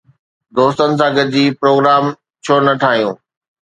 دوستن سان گڏجي پروگرام ڇو نه ٺاهيو؟